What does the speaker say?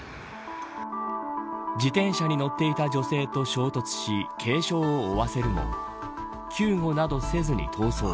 自転車に乗っていた女性と衝突し軽傷を負わせるも救護などせずに逃走。